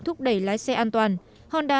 thúc đẩy lái xe an toàn honda